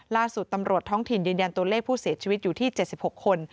ล่าสุดตำรวจท้องถิ่นยืนยันตัวเลขผู้เสียชีวิตอยู่ที่๗๖คน